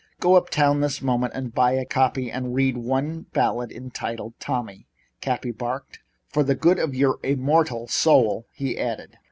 "Go up town this minute and buy a copy and read one ballad entitled 'Tommy,'" Cappy barked. "For the good of your immortal soul," he added.